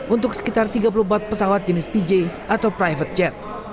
untuk sekitar tiga puluh empat pesawat jenis pj atau private jet